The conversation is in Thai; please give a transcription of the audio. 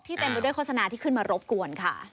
เต็มไปด้วยโฆษณาที่ขึ้นมารบกวนค่ะ